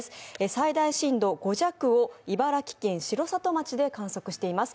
最大震度５弱を茨城県城里町で観測しています。